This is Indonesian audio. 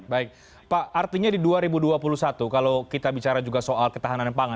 baik pak artinya di dua ribu dua puluh satu kalau kita bicara juga soal ketahanan pangan